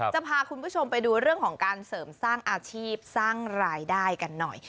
จะพาคุณผู้ชมไปดูเรื่องของการเสริมสร้างอาชีพสร้างรายได้กันหน่อย